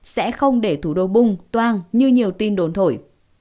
sẽ không để thủ đô bung toang như nhiều tin đồn thổi